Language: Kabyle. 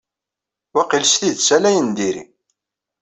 Waqil s tidet ala ayen n diri.